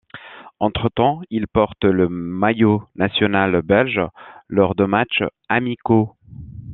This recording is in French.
Entre temps, il porte le maillot national belge lors de matchs amicaux.